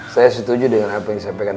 saya setuju dengan apa yang disampaikan